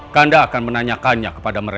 kanda akan menerima minuman itu